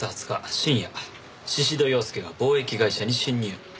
深夜宍戸洋介が貿易会社に侵入。